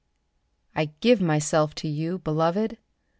I give myself to you, Beloved!